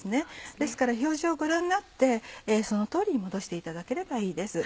ですから表示をご覧になってその通りに戻していただければいいです。